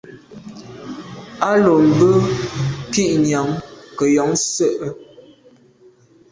A lo be be kwinyàm ke yon nse’e.